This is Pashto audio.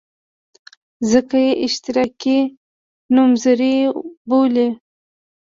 ځکه یې اشتراکي نومځري بولي.